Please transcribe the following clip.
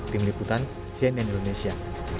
tim liputan cnn indonesia